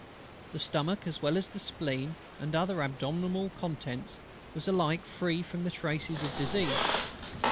The stomach, as well as the spleen and other abdominal contents, was alike free from the traces of disease.